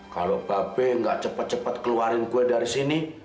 kalo babi ga cepet cepet keluarin gue dari sini